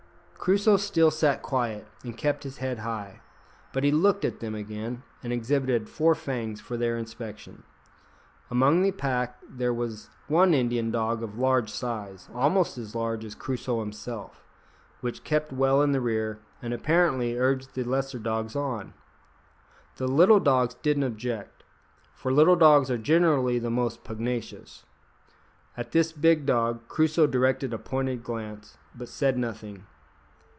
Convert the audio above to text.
Crusoe still sat quiet, and kept his head high; but he looked at them again, and exhibited four fangs for their inspection. Among the pack there was one Indian dog of large size almost as large as Crusoe himself which kept well in the rear, and apparently urged the lesser dogs on. The little dogs didn't object, for little dogs are generally the most pugnacious. At this big dog Crusoe directed a pointed glance, but said nothing.